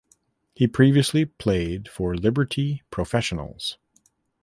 He previously played for Liberty Professionals.